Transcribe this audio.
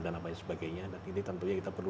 dan apa sebagainya dan ini tentunya kita perlu